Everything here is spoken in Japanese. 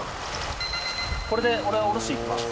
これで俺は下ろしに行きます。